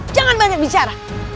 jangan banyak bicara